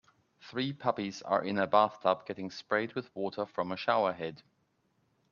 Three puppies are in a bathtub getting sprayed with water from a showerhead.